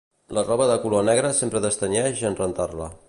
La roba de color negre sempre destenyeix en rentar-la